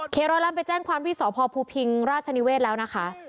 ร้อยล้ำไปแจ้งความที่สพภูพิงราชนิเวศแล้วนะคะ